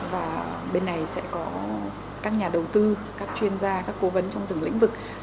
và bên này sẽ có các nhà đầu tư các chuyên gia các cố vấn trong từng lĩnh vực